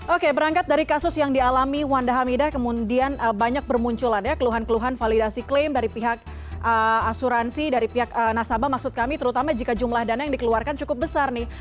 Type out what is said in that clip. oke berangkat dari kasus yang dialami wanda hamida kemudian banyak bermunculan ya keluhan keluhan validasi klaim dari pihak asuransi dari pihak nasabah maksud kami terutama jika jumlah dana yang dikeluarkan cukup besar nih